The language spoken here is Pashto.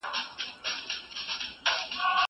وَكَانَ حَقّاً عَلَيْنَا نَصْرُ الْمُؤْمِنِينَ.